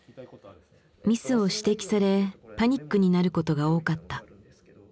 ミスを指摘されパニックになることが多かった。